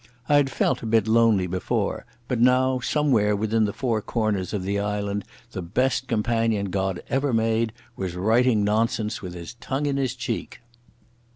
I had felt a bit lonely before, but now somewhere within the four corners of the island the best companion God ever made was writing nonsense with his tongue in his old cheek.